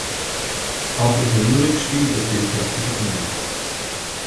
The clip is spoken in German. Auch ihre Lyrik spiegelt das Bild dörflicher Umwelt.